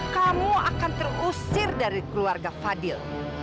kamu akan terusir dari keluarga fadil